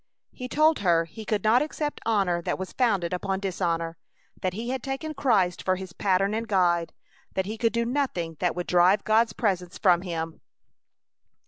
He told her he could not accept honor that was founded upon dishonor; that he had taken Christ for his pattern and guide; that he could do nothing that would drive God's presence from him.